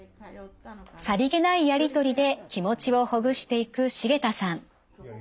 さりげないやり取りで気持ちをほぐしていく繁田さん。